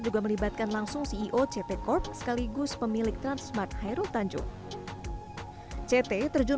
juga melibatkan langsung ceo cp corp sekaligus pemilik transmart hairul tanjung ct terjun